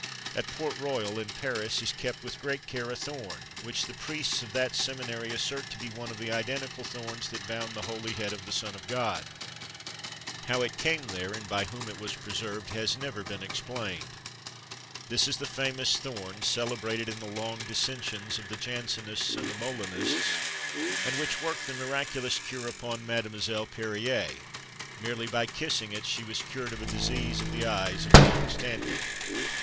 At Port Royal, in Paris, is kept with great care a thorn, which the priests of that seminary assert to be one of the identical thorns that bound the holy head of the Son of God. How it came there, and by whom it was preserved, has never been explained. This is the famous thorn, celebrated in the long dissensions of the Jansenists and the Molenists, and which worked the miraculous cure upon Mademoiselle Perrier: by merely kissing it she was cured of a disease of the eyes of long standing.